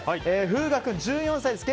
風雅君、１４歳です。